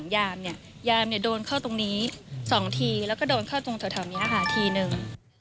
ยามเนี่ยโดนเข้าตรงนี้๒ทีแล้วก็โดนเข้าตรงตรงแถวนี้๕ทีนึง